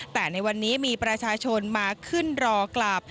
แต่ในวันนี้มีประชาชนมาขึ้นรอกลับ